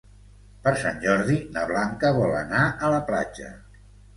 Per Sant Jordi na Blanca vol anar a la platja.